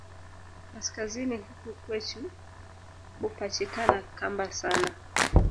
Kaskazini huku kwechu hupachikana kamba sana